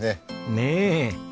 ねえ。